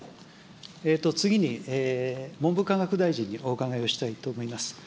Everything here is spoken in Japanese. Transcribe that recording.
次に文部科学大臣にお伺いをしたいと思います。